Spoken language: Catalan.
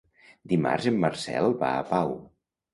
Dimarts en Marcel va a Pau.